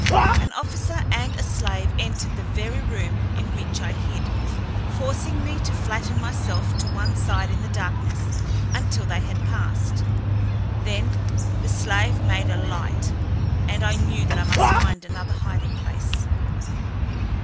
An officer and a slave entered the very room in which I hid, forcing me to flatten myself to one side in the darkness until they had passed. Then the slave made a light, and I knew that I must find another hiding place.